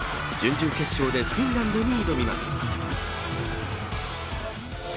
準々決勝でフィンランドに挑みます。